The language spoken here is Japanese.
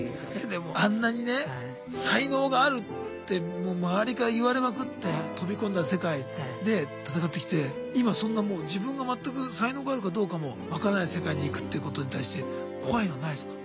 でもあんなにね「才能がある」って周りから言われまくって飛び込んだ世界で戦ってきて今そんなもう自分が全く才能があるかどうかも分からない世界に行くっていうことに対して怖いのはないですか？